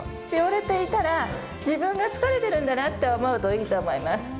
しおれていたら、自分が疲れてるんだなと思うといいと思います。